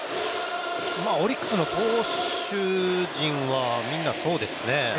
オリックスの投手陣はみんなそうですね。